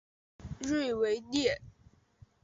瑞维涅。